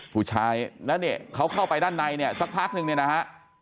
ผู้ชายแล้วเนี่ยเขาเข้าไปด้านในเนี่ยสักพักนึงเนี่ยนะฮะ